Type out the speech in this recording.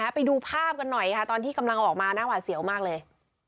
ไปดูภาพกันหน่อยค่ะตอนที่กำลังออกมาหน้าหวาดเสียวมากเลย